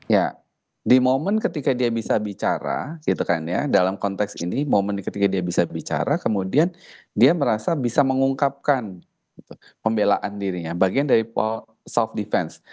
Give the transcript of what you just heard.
ya di momen ketika dia bisa bicara gitu kan ya dalam konteks ini momen ketika dia bisa bicara kemudian dia merasa bisa mengungkapkan pembelaan dirinya bagian dari soft defense